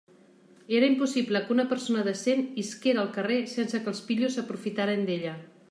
Era impossible que una persona decent isquera al carrer sense que els pillos s'aprofitaren d'ella.